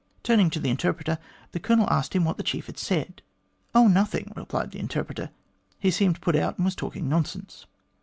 Turning to the interpreter, the Colonel asked him what the chief had said. "' Oh, nothing,' replied the interpreter ;' he seemed put out and was talking nonsense.'